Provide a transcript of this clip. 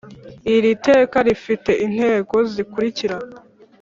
Iri teka rifite intego zikurikira